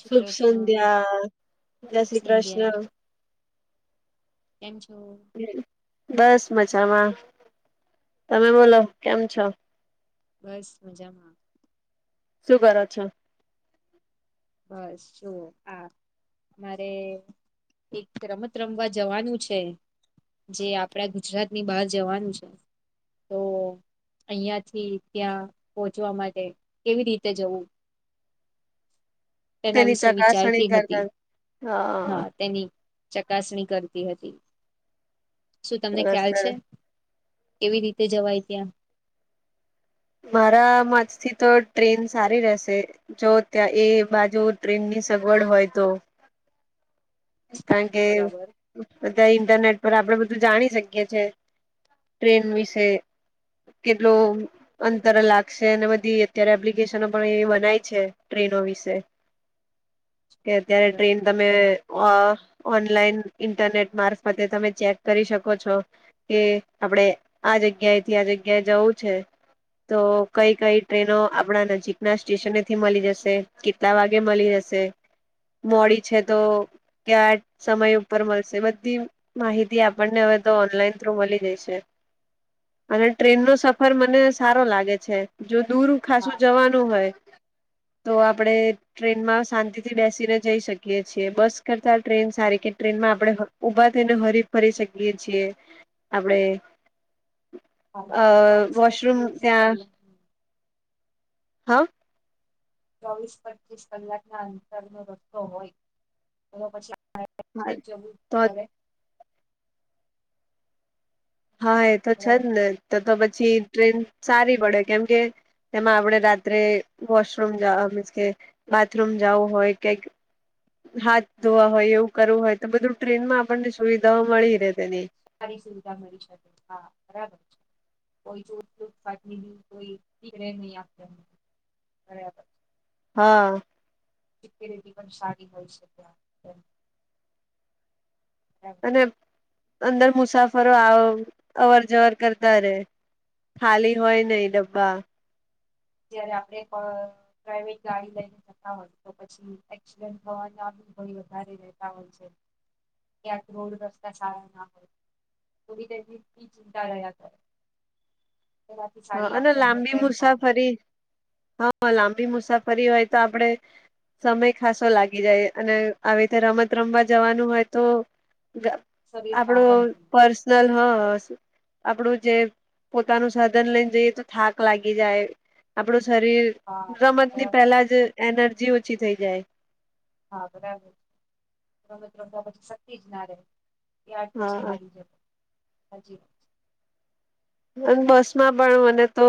શ્રી શુભ કૃષ્ણ સંધ્યા જય શુભ શ્રી સંધ્યા કૃષ્ણ. કેમ છો? બસ મજામાં તમે બોલો કેમ છો? બસ મજામાં. શું કરો છો? બસ જો આ મારે એક રમત રમવા જવાનું છે. જે આપડા ગુજરાતની બહાર જવાનું છે. તો અહીંથી ત્યાં પહોંચવા માટે કેવી રીતે જવું? તેના તેની વિશે ચકાસણી વિચારતી હતી કરતા હા તેની ચકાસણી કરતી હતી શું તમને સરસ ખ્યાલ છે? સરસ એવી રીતે જવાય ત્યાં મારા મતથી તો ટ્રેન સારી રહેશે. જો ત્યાં એ બાજુ ટ્રેનની સગવડ હોય તો કારણ કે બરાબર બધા ઇન્ટરનેટ પર આપડે બધું જાણી શકીએ છે. ટ્રેન વિશે કેટલો અંતર લાગશે અને બધી અત્યારે એપ્લિકેશનો પણ એવી બનાય છે, ટ્રેનો વિશે [unintelligible] કે અત્યારે ટ્રેન તમે અ ઓનલાઈન ઇન્ટરનેટ મારફતે તમે ચેક કરી શકો છો. કે આપડે આ જગ્યાએથી આ જગ્યાએ જવું છે. તો કઈ કઈ ટ્રેનો આપણા નજીકના સ્ટેશનેથી મલી જશે કેટલા વાગે મલી જશે? મોડી છે, તો ક્યા સમય ઉપર મળશે બધી માહિતી આપણને હવે તો ઓનલાઈન થ્રુ મલી જાયશે અને ટ્રેનનો સફર મને સારો લાગે છે, જો દૂર ખાસું જવા નું હોય તો આપડે ટ્રેનમાં શાંતિથી બેસીને જઈ શકીએ છીએ, બસ કરતા ટ્રેન સારી કે ટ્રેનમાં આપણેે હ ઊભા થેને હરી ફરી શકીએ છીએ, આપડે અ ચોવીસ વોશરૂમ પચીસ ત્યાં કલાક હ. ચોવીસ પચીસ કલાકના અંતર નો રસ્તો હોય તો પછી હા [unintelligible] થવું તો પડે હા એ તો છે, બરાબર જ ને તો તો પછી ટ્રેન સારી પડે કેમ કે તેમાં આપણે રાત્રે વોશરૂમવા મીન્સ કે બાથરૂમ જવું હોય કે હાથ ધોવા હોય એવું કરવું હોય તો બધું ટ્રેનમાં આપણને સુવિધાઓ મળી રહેે તેને સારી સુવિધા મળી શકે હા બરાબર છે. કોઈ જો [unintelligible] બરાબર. હા. સિક્યોરિટી પણ સારી હોય છે, ત્યા ને અંદર મુસાફરો આવ, અવર-જવર કરતા રહેે. ખાલી હોય નહીં ડબા. જયારે આપડે પ્રાઈવેટ ગાડી લઈને. જતા હોય તો, પછી એક્સિડન્ટ થવાનો, આમ ભય વધારે રહેતા હોય છે. ક્યાંક રોડ, રસ્તા સારા ના હોય. થોડી તેથી ઈ ચિંતા રહ્યા કરે. તેનાથી હા, સારી અને આપણને લાંબી ટ્રેન પડી મુસાફરી. હા, લાંબી મુસાફરી હોય તો, આપડે સમય ખાસો લાગી જાય. અને આવી રીતે રમત રમવા જવાનું હોય તો. શરીરને આપડો આરામ થઈ જાય. પર્સનલ હહ આપણું જે પોતાનું સા ધન લઈને જઈએ તો થાક લાગી જાય. આપડું શરીર હા બરાબર રમતની પહેલા જ એનર્જી ઓછી થઈ જાય. હા બરાબર. રમત રમ્યા પછી શક્તિ જ ના રે એ આઠ હા. પછી હારી જાય. હજી બસમાં પણ મને તો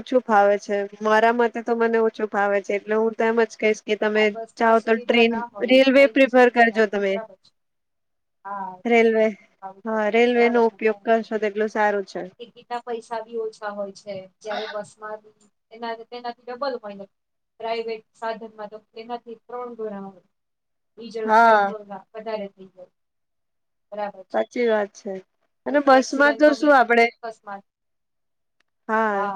ઓછું ફાવે છે. મારા મતે તો મને ઓછું ફાવે છે એટલે હું તો એમજ કહીશ કે તમે હા બસ માં જાઓ તો સુવિધા ટ્રેન, ના હોય રેલવે કઈ પ્રિફર સુવિધા ના કરજો હોય તમે. બરાબર છે હા રેલવે ખાવું પડે હા રેલવેનો બરાબર છે ઉપયોગ અને કરશો તેટલું સારું છે. ટિકિટ ના પૈસા બી ઓછા હોય છે. જયારે બસમાં એના તેનાથી ડબલ હોય ને પ્રાઈવેટ સાધનમાં તો એનાથી ત્રણ ગુણા હોય. ડીઝલ હા પેટ્રોલના વધારે થઈ જાય. બરાબર સાચી વાત છે છે. અને એક બસ માં એક્સિડેન્ટ તો નો શું બી આપડે અકસ્માત હા.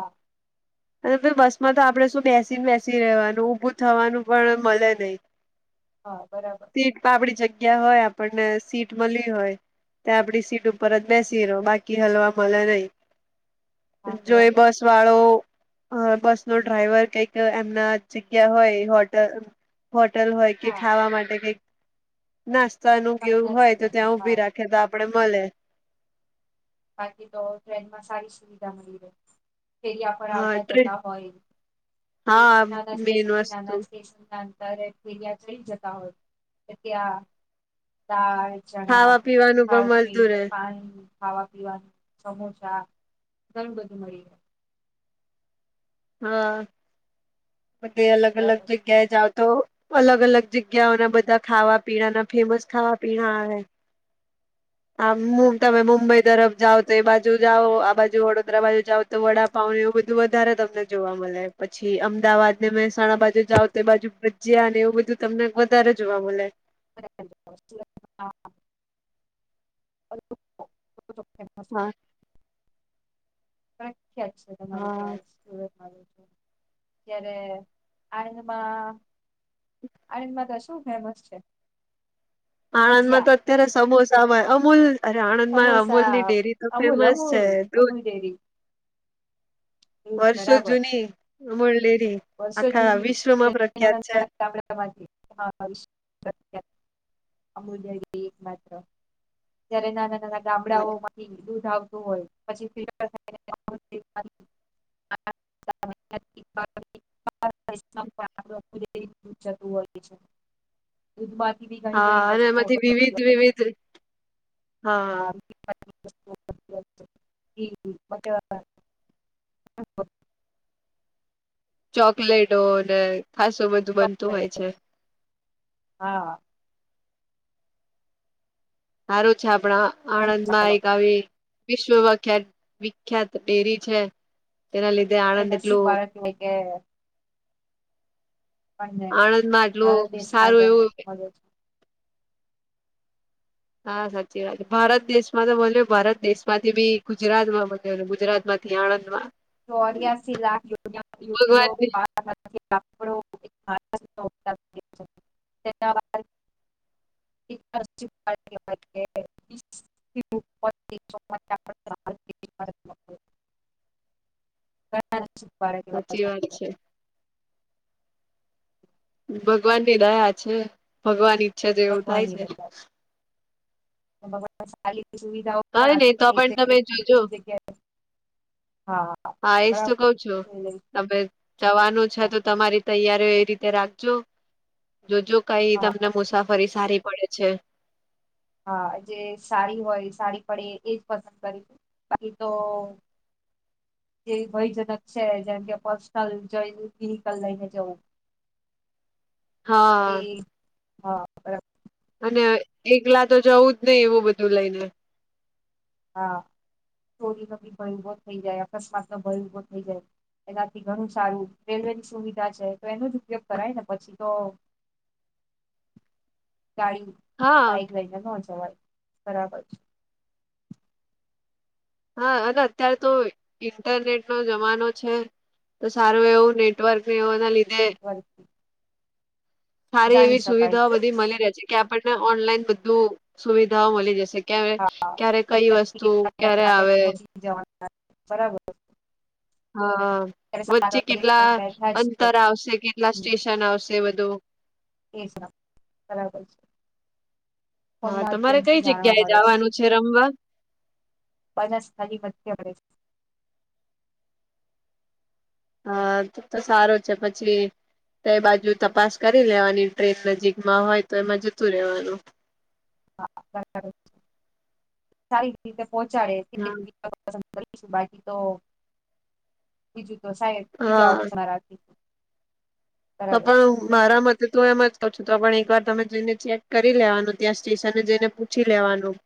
અને પહી બસમાં તો આપણે શું બેસીને બેસી રહેવાનું. ઊભું થવાનું પણ મળે નહીં. હા બરાબર. સીટ તો આપડી જગ્યા હોય આપણને સીટ મળી હોય. તે આપડી સીટ ઉપર જ બેસી રહો. બાકી હલવા મલે નહી. હા જોએ બરાબર બસ વાળો. હહ બસનો ડ્રાઈવર કઈક એમના જગ્યા હોય હોટલ હોટલ હોય કે હા ખાવા માટે કઈક નાસ્તાનું કે એવું સાંજના હોય તો સમયે ત્યાં હા ઉભી રાખ ખે તો આપડે મલે. બાકી તો ટ્રેનમાં સારી સુવિધા મળી રહે. ફેરિયા પર હા આવતા ટ્રે જતા હોય. હા એક નાના મેન સ્ટેશનથી વસ્તુ નાના સ્ટેશન [inaudible] ત્યારે ફેરીયા ચડી જતા હોય તો ત્યાં દાળ, ચણા, ખાવા પીવાનું પણ ખારી સિંગ, મળતું રે પાણી ખાવા પીવાનું સમોસા ઘણું બધું મળી રે. હા બધે અલગ રહે અલગ જગ્યાએ જાઓ તો. અલગ અલગ જગ્યાઓના બધા ખાવા પીણાના ફેમસ ખાવા પીણા આવે. આમ મું બરાબર તમે મુંબઈ તરફ જાવ તો એ બાજુ જાઓ આ બાજુ વડોદરા બાજુ જાઓ તો વડાપાવને એવું બધું વધારે તમને જોવા મળે. પછી અમદાવાદને મહેસાણા બાજુ જાવ તો એ બાજુ ભજ્યા ને એવું બધું તમને વધારે જોવા મળે. [inaudible] હા હા. હા [unintelligible] પ્રખ્યાત છે તમારે હા ત્યાં સુરતમાં લોચો. ત્યારે આંદમાં આણંદમા તો શું ફેમસ છે? ભજીયા આણંદમાં તો અત્યારે સમોસા હોય અમૂલ અરે આણંદ માં અમૂલ ની સમોસા ડેરી તો અમૂલ ફેમસ છે અમૂલ દુધ. અમૂલ ડેરી દૂધ બરાબર જૂની અમણ લેરી વર્ષો આખા જૂની વિશ્વમાં નાના છે. નાના ગામડામાંથી અમૂલ્ય એક માત્ર જ્યારે નાના-નાના છે ગામડાઓ માંથી દૂધ આવતું હોય, પછી ફિલ્ટર થાયને. [unintelligible] જતું હોય છે. દૂધમાંથી બી ઘણી હા ઘણી અને વસ્તુઓ એમાંથી વિવિધ વિવિધ હા. [unintelligible] ચોકલેટો ને ખાસ ચોકલેટ હા. સારું છે, આપણા આણંદમાં એક આવી વિશ્વવખ્યાત વિખ્યાત ડેરી છે, તેના લીધે આપે આણંદ નસિક એટલું બારત એય કે. આપણને આણંદ માં આટલું સારું એવું. હ. હા, સાચી વાત, ભારત દેશ માં તો બોલ ભારત દેશ માંથી બી ગુજરાત માં બ ગુજરાત માંથી હા, હા. ચોર્યાસી લાખ ભગવાનની લા ના [unintelligible] [unintelligible] [unintelligible] સાચી વાત છે. ની દયા છે, ભગવાન ઈચ્છા જેવું થાય ભગવાનની છે. દયા સારી સુવિધાઓ પણ અરે નહી આપી તો છે, એક પણ તમે જગ્યા જોજો બી જગ્યાએ હા, એજ તો બરાબર‌. કઉ છું તમે જવાનું છે, તો તમારી તૈયારીઓ એ રીતે રાખજો. જોજ કઈ તમને મુસાફરી સારી પડે છે. હા, જે સાડી હોય, સાડી પડે, એજ પસંદ કરીશું. બાકી તો. જે ભયજનક છે, જેમ કે પર્સનલ જોઈ વહિકલ લઈને જવું. હા એ હા, બરાબર. અને એકલા તો જવું જ નહી, એવું બધું લઈને. હા, ચોરીનો બી ભય ઉભો થઈ જાય, અકસ્માત નો ભય ઉભો થઈ જાય. એનાથી ઘણું સારું રેલવે ની સુવિધા છે, તો એનો જ ઉપયોગ કરાય ને, પછી તો કાય. હા બાઈક લઈને નહો, જવાય બરાબર છે. હા, અને અત્યારે તો ઇન્ટરનેટ નો જમાનો છે. તો સારું એવું નેટવર્ક એવા લીધે એક વાર. સારી એવી શકાય સુવિધાઓ બધી મલી રહે છે કે, આપણને ઓનલાઈન બધું સુવિધાઓ મલી જશે. ક્યારે, હા ક્યારે કઈ અહીંયાથી વસ્તુ કેટલા ટાઈમ ક્યારે આપણે આવે? પહોંચી બરાબર. હા, અત્યારે સાત વચ્ચે વાગે કેટલા બેઠા અંતર છે આવશે, કેટલા સ્ટેશન આવશે બધું? એ છે, બરાબર છે. ફોન હા તમારે કઈ માધ્યમથી જાણવા જગ્યાએ મળે છે. જવાનું રમવા [unintelligible] હા તો તો સારો છે પછી તે બાજુ તપાસ કરી લેવાની ટ્રેક નજીકમાં હોય તો એમાં જતું રહેેવાનું. હા સારી રીતે પહોંચાડે હા. [unintelligible] કરીશ બાકી તો બીજું તો સાહેબ બીજા હા. ઓપ્શમાં રાખીશું. તો બરાબર છે પણ મારા મતે તો એમ જ પાછું તો પણ એકવાર તમે જઈને ચેક કરી લેવાનું ત્યાં સ્ટેશનને જઈને પૂછી લેવાનું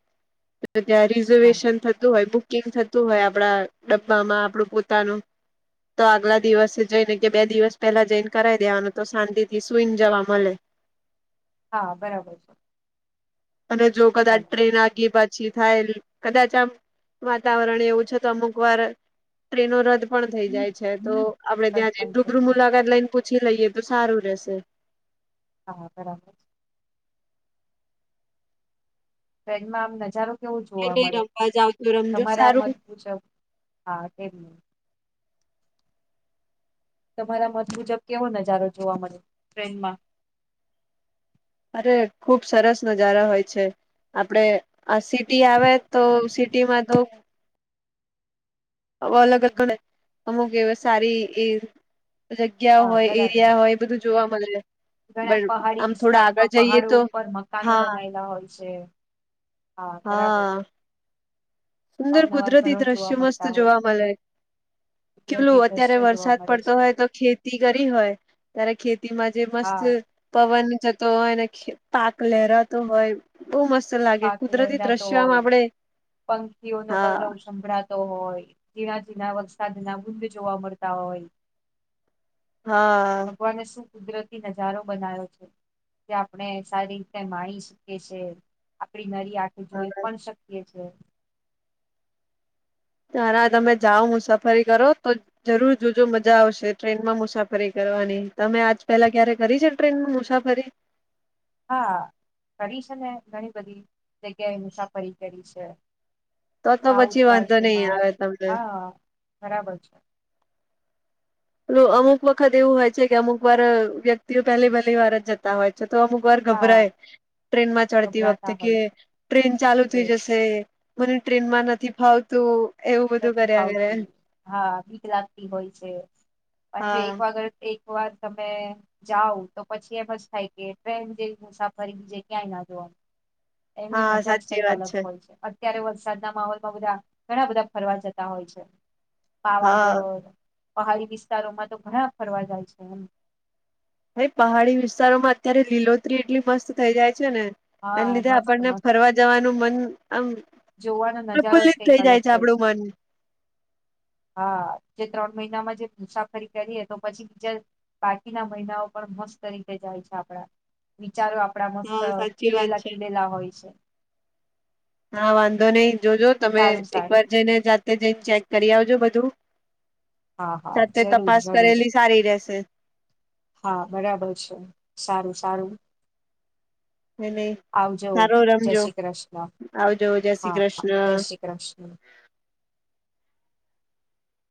ત્યાં હા રિઝર્વેશન થતું હોય બુક કિંગ થતું હોય આપડા ડબ્બામાં આપડું પોતાનું તો આગલા દિવસે જઈને કે બે દિવસ પેલા જઈન કરાય દેવાનું તો શાંતિથી સુઈન જવા મલે. હા બરાબર છે. અને જો કદાચ હાલો ટ્રેન આગી બા પછી થાય કદાચ આમ વાતાવરણ એવું છે તો અમુકવાર ટ્રેનો રદ પણ થઈ જાય છે તો આપડે ત્યાં જઈ પણ રૂબરૂ થતી મુલાકાત લઈન પૂછી લઈએ તો સારું રેહશે. હા બરાબર છે. ટ્રેનમાં આમ નજારો કેવો જોવા અને મળે રમવા જાવ તો રમજો. તમારા સારું મત મુજબ? હા ટ્રેનમાં તમારા મત મુજબ કેવો નજારો જોવા મળે ટ્રેનમાં? અરે ખુબ સરસ નજારા હોય છે આપડે આ સિટી આવે તો સિટીમાં તો અલગ અલગ અમુક એ સારી એ જગ્યા હા હોય બરાબર એરિયા હોય. બધું જોવા મલે છે. ઘણા પહાડી વિસ્તારોમાં પહાડો તો ઉપર મકાનો હા બનાયેલા હોય છે. હા બરાબર છે. સુંદર કુદરતી ઘરો દ્રશ્ય જોવા મસ્ત મળતા હોય જોવા છે મલે. કુદરતી કેલું અત્યારે દ્રશ્ય જોવા વરસાદ મળે પડતો છે હોય તો ખે તી કરી હોય ત્યારે ખેતીમાં જે મસ્ત હા પવન જતો હોય પાક લહેરાતો હોય. બોવ મસ્ત લાગે પાક કુદરતી લહેરાતો દ્રશ્યો આમ હોય આપડે પંખીઓનો હા કલરવ સંભળા તો હોય જીણા જીણા વરસાદના બુંદ જોવા મળતા હોય. હા. ભગવાને શું કુદરતી નજારો બનાવ્યો છે. કે આપણે સારી રીતે માણી શકીએ છે. આપણી નરી આંખે જોઈ પણ શકીએ છે. તારા તમે જાઓ મુસાફરી કરો તો જરૂર જોજો મજા આવશે ટ્રેનમાં મુસાફરી કરવાની તમે આજ પહેલા ક્યારે કરી છે? ટ્રેનમા મુસાફરી? હા કરી છે ને ઘણી બધી જગ્યાએ મુસાફરી કરી છે. તો તો સાઉથ પછી વાંધો નહી બાજુમાં આવે તમને હા બરાબર છે. અમુક વખત એવું હોય છે કે અમુક વાર વ્યક્તિઓ પહેલી પહેલી વાર જતા હોય છે તો અમુક એક વાર હા ગભરાય ટ્રેનમાં ચડતી વખતે ગભરાતા કે હોય ટ્રેન ચાલુ છે થઈ એ જશે. મને ટ્રેન માં નથી ફાવતું એવું બધું નથી કર્યા કરે ફાવતું હા બીક હોય છે, પણ જો હા એક વાગર એક વાર તમે જાઉ તો પછી એમ જ થાય કે ટ્રેન જેવી મુસાફરી બીજેે ક્યાંય ના જોવા એની હા મજા જ સાચી કંઈક વાત અલગ હોય છે. તયારે વરસાદના માહોલમાં બધા ઘણા બધા ફરવા જતા હોય છે. હા પાવાગઢ પહાડી વિસ્તારોમાં તો ઘણા ફરવા જાય છે, એમ હ પહાડી વિસ્તારોમાં અત્યારે લીલોતરી એટલી મસ્ત થઇ જાય છે, ને એન હા લીધે મસ્ત આપણને મસ્ત ફરવા જવાનું મન આમ જોવાનો નજારો જ પ્રફુલ્લીત કઈક થઇ અલગ જાય છે, હોય આપડું મન હા જે ત્રણ મહિનામાં જે મુસાફરી કરીએ તો પછી [unintelligible] બાકીના મહિનાઓ પણ મસ્ત રીતે જાય છે, આપડા વિચારો આ પડા મસ્ત હા સાચી વાત ખીલેલા છે ખીલેલા હોય છે. હા વાંધો નહી જોજો તમે સારું એક વાર સારું જઈને જા તે જઈને ચેક કરી આવજો બધું હા હા સાથે જરૂર તપાસ જરૂર કરેલી સારી રેશે હા બરાબર છે, સારું સારું એ નઈ આવજો સારો જય રમજો શ્રી કૃષ્ણ આવજો જય શ્રી હા જય કૃષ્ણ શ્રી કૃષ્ણ